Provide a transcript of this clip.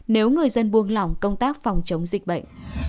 nếu người dân buông lỏng công tác phòng chống dịch bệnh